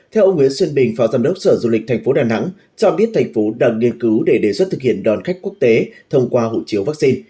theo ông nguyễn xuân bình phó giám đốc sở du lịch thành phố đà nẵng cho biết thành phố đang nghiên cứu để đề xuất thực hiện đón khách quốc tế thông qua hộ chiếu vaccine